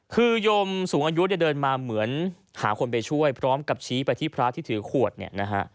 คือยมสูงอายุเนี่ยเดินมาเหมือนหาคนไปช่วยพร้อมกับชี้ไปที่พระที่ถือขวดเนี่ยนะฮะ